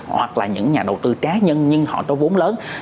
hoặc là những nhà đầu tư cá nhân nhưng họ có vốn lớn